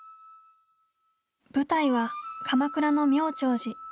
舞台は鎌倉の妙長寺。